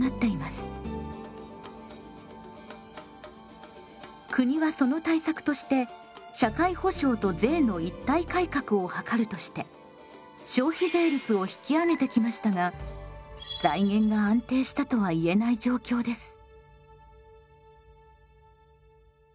しかし国はその対策として社会保障と税の一体改革を図るとして消費税率を引き上げてきましたが財源が安定したとはいえない状況です。